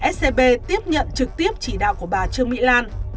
scb tiếp nhận trực tiếp chỉ đạo của bà trương mỹ lan